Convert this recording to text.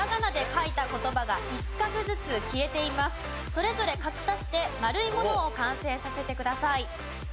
それぞれ書き足して丸いものを完成させてください。